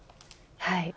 はい。